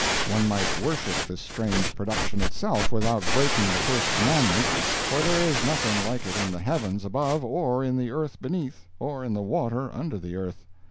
One might worship this strange production itself without breaking the first commandment, for there is nothing like it in the heavens above or in the earth beneath, or in the water under the earth.